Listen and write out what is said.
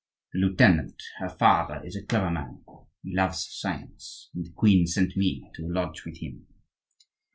The lieutenant, her father, is a clever man; he loves science, and the queen sent me to lodge with him.